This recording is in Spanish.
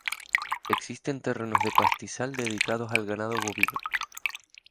Existen terrenos de pastizal dedicados al ganado bovino.